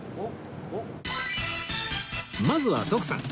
まずは徳さん